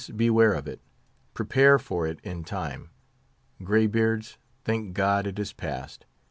beware of it; prepare for it in time. Gray beards! thank God it is passed.